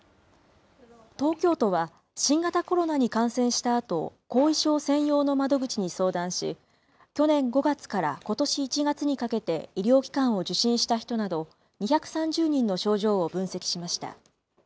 東京都は新型コロナに感染したあと、後遺症専用の窓口に相談し、去年５月からことし１月にかけて医療機関を受診した人など２３０人の症状を分析しました。